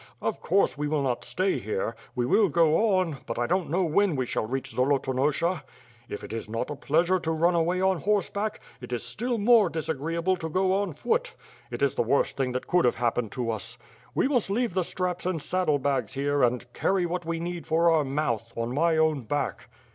Of course we will not stay here. We will go on, but I don't know when we shall reach Zolotonosha. If it is not a pleasure to run away on horseback, it is still more disagreeable to go 254 ^^^^^^^^^^ HWORD. on foot. It is the worst thing that could have happened to ufc We mufit leave the straps and saddle bags here, and carry what we need for our mouth, on my own back."